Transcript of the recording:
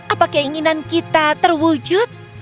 apa keinginan kita terwujud